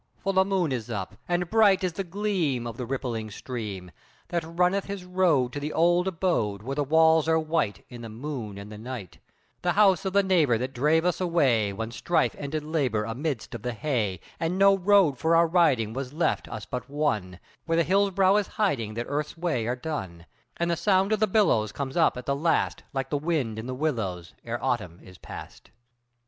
For the moon is up, And bright is the gleam Of the rippling stream, That runneth his road To the old abode, Where the walls are white In the moon and the night; The house of the neighbour that drave us away When strife ended labour amidst of the hay, And no road for our riding was left us but one Where the hill's brow is hiding that earth's ways are done, And the sound of the billows comes up at the last Like the wind in the willows ere autumn is past.